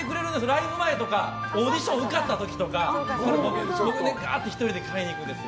ライブ前とかオーディション受かった時とかガーッと１人で買いに行くんです。